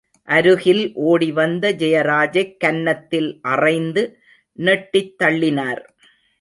அருகில் ஓடி வந்த ஜெயராஜைக் கன்னத்தில் அறைந்து நெட்டித் தள்ளினார்.